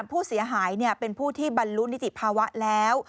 ผู้เสียหายเป็นผู้ที่บรรลุนิติภาวะแล้ว